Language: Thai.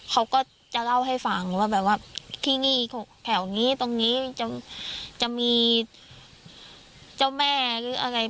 เขาก็จะเล่าให้ฟังว่าแบบว่าที่นี่แถวนี้ตรงนี้จะมีเจ้าแม่หรืออะไร